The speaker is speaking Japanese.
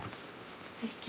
すてき。